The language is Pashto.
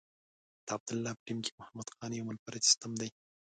د عبدالله په ټیم کې محمد خان یو منفرد سیسټم دی.